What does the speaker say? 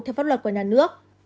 theo pháp luật của nhà nước